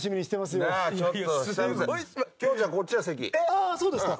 ああそうですか。